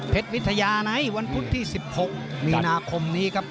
วิทยาในวันพุธที่๑๖มีนาคมนี้ครับ